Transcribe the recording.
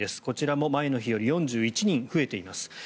こちらも前の日より４１人増えています。